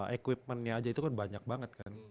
equipmentnya aja itu kan banyak banget kan